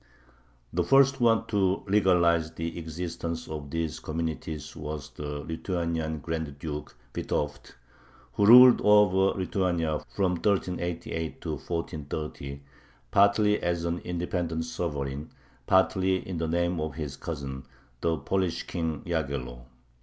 The first one to legalize the existence of these communities was the Lithuanian Grand Duke Vitovt, who ruled over Lithuania from 1388 to 1430, partly as an independent sovereign, partly in the name of his cousin, the Polish King Yaghello.